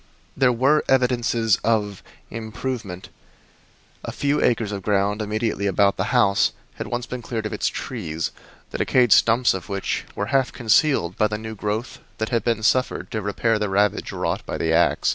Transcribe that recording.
There were evidences of "improvement" a few acres of ground immediately about the house had once been cleared of its trees, the decayed stumps of which were half concealed by the new growth that had been suffered to repair the ravage wrought by the ax.